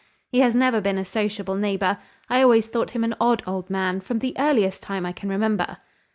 "He has never been a sociable neighbour. I always thought him an odd old man, from the earliest time I can remember."